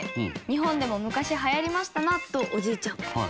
「日本でもむかしはやりましたなー」とおじいちゃん。